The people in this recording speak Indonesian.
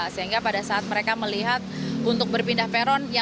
sehingga pada saat mereka melihat untuk berpindah peron